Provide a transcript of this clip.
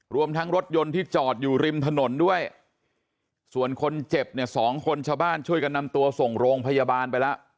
รวมทั้งรถยนต์ที่จอดอยู่ริมถนนด้วยส่วนคนเจ็บเนี่ยสองคนชาวบ้านช่วยกันนำตัวส่งโรงพยาบาลไปแล้ว